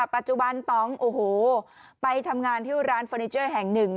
ปัจจุบันต้องไปทำงานที่ร้านฟอลิเจอร์แห่ง๑